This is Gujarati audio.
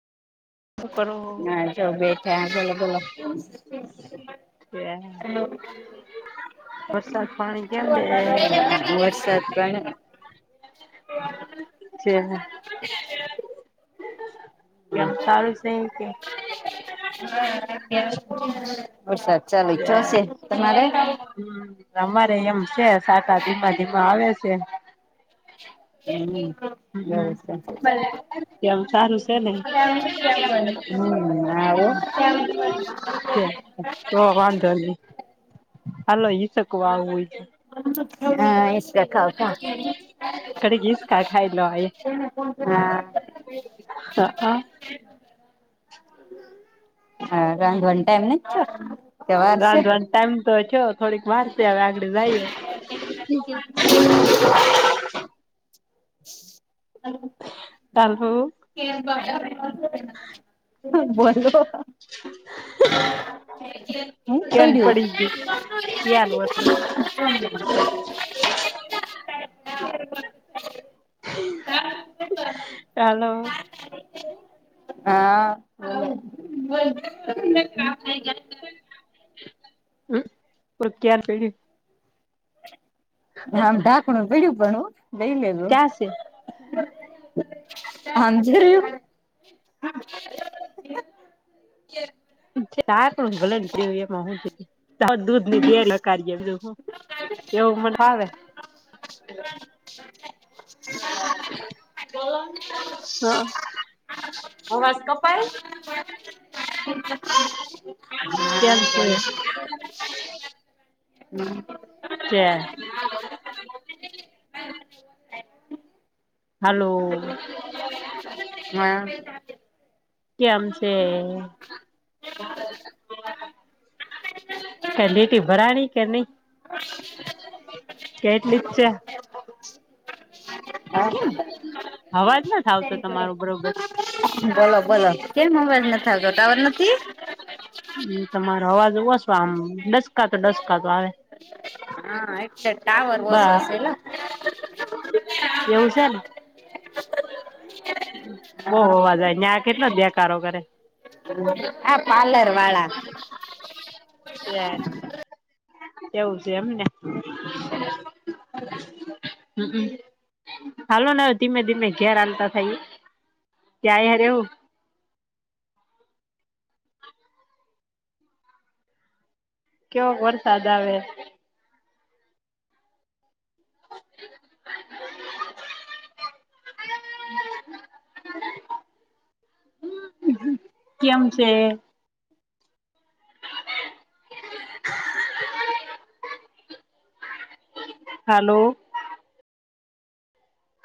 શું કરો હા જો બેઠા [unintelligible] હ [unintelligible] વરસાદ પાણી કેમ વરસાદ પણ છે. [unintelligible] એમ ચારું સે એમ કે [unintelligible] વરસાદ ચાલુ થ્યો સે તમારે હમ અમારે એમ સે સાટા ધીમા ધીમા આવે સે [unintelligible] હમમ છે કેમ આમ સારું સેને હમ આવો ઠીક તો વાંધો નઈ હલો ઈ [unintelligible] હા હીચકા ખાવ જાવ ઘડીક હિસકા ખાઈ [unintelligible] હા રાન્ધવા નો ટાઈમ નથી થયો સવાર રાંધવાં નો ટાઇમ તો થ્યો થોડીક વારસે આઘડીએ જાઈ હ [inaudible] હાલો [unintelligible] [inaudible] કેન પડી ગઈ ક્યાન [unintelligible] [unintelligible] હાલો [unintelligible] હા બોલ [inaudible] [unintelligible] હ પણ કયા પૈડી [unintelligible] આમ ઢાકણું પૈડુ પણ હો લઈ લે જો ક્યાં હાં જે [unintelligible] [unintelligible] પણ ભલે થ્યુ એમાં હું થ્યુ પણ દૂધ [unintelligible] હું એવું મને ભાવે [unintelligible] [inaudible] હા [unintelligible] અવાજ કપાય હે હ [unintelligible] કેમ છે હા, હમ. કે. હલો. હા. કેમ છે? કેડિટી ભરાણી કે નઈ. કેટલી ક તે કેમ? હવાજ ના થાય. બોલો, બોલો કેમ મોબાઈલ નથી ગયો? ટાવર નથી. હમ, તમારો અવાજ ઓછો, આમ ડસકા તો ડસકા તો આવે. હા, એક બા એવું છે ને. હા બહવા અવાજ આવે યા કેટલો દેકારો કરે. હા, પાર્લર વાળા. એ એવું છે એમને. હમમ. ચાલો ને, હ ધીમે-ધીમે ઘેર આાલતા થાય, ત્યાં યાર એવું. કેયો વરસાદ આવે. કેમ છે? હેલો.